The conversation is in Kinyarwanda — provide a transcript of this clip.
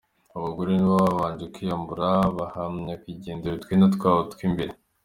Abagore nibo babanje kwiyambura baha nyakwigendera utwenda twabo tw'imbere.